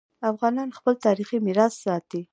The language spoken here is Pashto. افغانان خپل تاریخي میراث ساتي.